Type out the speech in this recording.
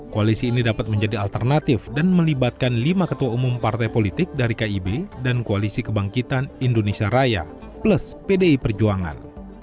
koalisi ini dapat menjadi alternatif dan melibatkan lima ketua umum partai politik dari kib dan koalisi kebangkitan indonesia raya plus pdi perjuangan